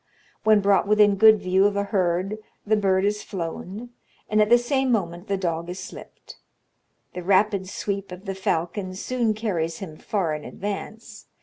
When brought within good view of a herd the bird is flown, and at the same moment the dog is slipped. The rapid sweep of the falcon soon carries him far in advance.